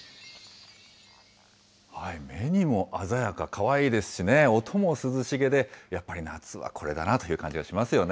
目にも鮮やか、かわいいですしね、音もすずしげで、やっぱり夏はこれだなという感じがします